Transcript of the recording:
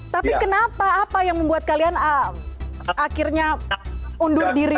tapi kenapa apa yang membuat kalian akhirnya undur diri